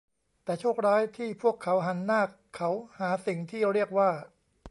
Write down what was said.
แต่โชคร้ายที่พวกเขาหันหน้าเขาหาสิ่งที่เรียกว่า